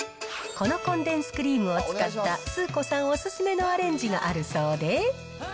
このコンデンスクリームを使ったスー子さんお勧めのアレンジがあるそうで。